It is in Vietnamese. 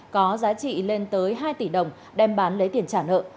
có giá trị lên tới hai tỷ đồng đem bán lấy tiền trả nợ